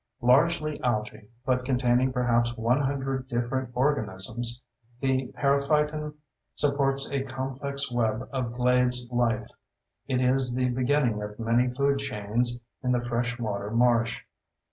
Largely algae, but containing perhaps 100 different organisms, the periphyton supports a complex web of glades life. It is the beginning of many food chains in the fresh water marsh.